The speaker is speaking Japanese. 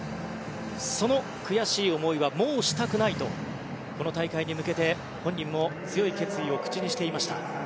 その悔しい思いはもうしたくないとこの大会に向けて本人も強い決意を口にしていました。